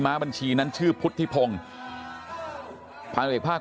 เราจะไปติดต่อไปอะไรก็คง